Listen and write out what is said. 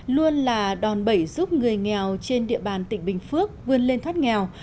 luôn là đòn bẩy giúp người nghèo trên địa bàn tỉnh bình phước vươn lên thoát nghèo